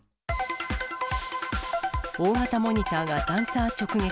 大型モニターがダンサー直撃。